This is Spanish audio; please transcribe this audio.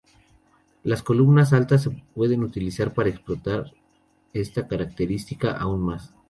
Las columnas altas se pueden utilizar para explotar esta característica aún más.